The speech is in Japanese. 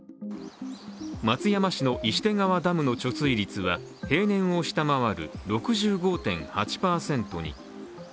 松山市の石手川ダムの貯水率は平年を下回る６５．８％に。